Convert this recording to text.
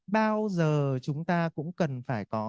bao giờ chúng ta cũng cần phải có